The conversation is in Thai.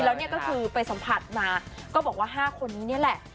แล้วเนี่ยก็คือไปสัมผัสมาก็บอกว่า๕คนนี้นี่แหละ